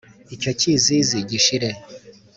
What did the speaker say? icyo kizizi gishire.